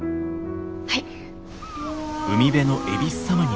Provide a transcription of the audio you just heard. はい。